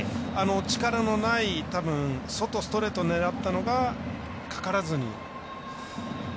力のない外、ストレート狙ったのがかからずに。